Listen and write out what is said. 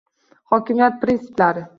Hokimiyat prinsiplari: